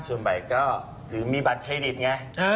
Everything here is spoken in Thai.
ส่วนใบก็ถือมีบัตรเครดิตไง